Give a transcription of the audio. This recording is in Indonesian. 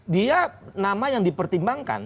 dia nama yang dipertimbangkan